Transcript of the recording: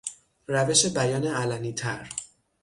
روش بیان علنیتر